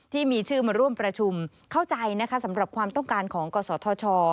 ที่มีชื่อมาร่วมประชุมเข้าใจนะคะสำหรับความต้องการของกศธช